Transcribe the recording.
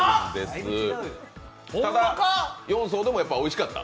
４層でもおいしかった？